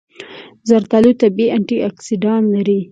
زردآلو طبیعي انټياکسیدان لري.